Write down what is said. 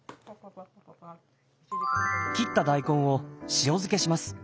切った大根を塩漬けします。